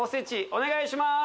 お願いしまーす